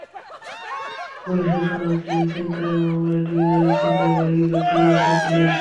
চট্টগ্রামে পুলিশের সোনার চেইন ছিনতাইয়ের মামলায় দুই নারী ছিনতাইকারীকে গ্রেপ্তার করেছে পুলিশ।